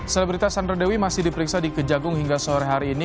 selebritas sandra dewi masih diperiksa di kejagung hingga sore hari ini